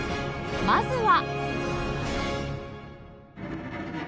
まずは